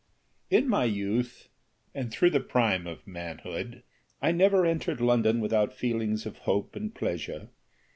"In my youth, and through the prime of manhood, I never entered London without feelings of hope and pleasure.